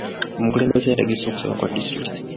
Omukulembeze yategese okusaba kwa disitulikiti.